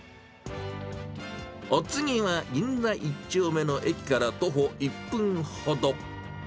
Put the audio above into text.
お次は銀座一丁目の駅から徒歩１分ほど。